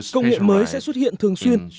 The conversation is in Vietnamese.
công nghệ mới sẽ xuất hiện thường xuyên